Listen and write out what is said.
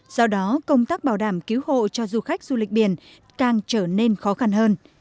do đó công tác bảo đảm cứu hộ cho du khách du lịch biển càng trở nên khó khăn hơn